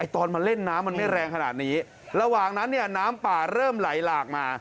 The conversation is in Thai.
ตอนมาเล่นน้ำมันไม่แรงขนาดนี้ระหว่างนั้นเนี่ยน้ำป่าเริ่มไหลหลากมา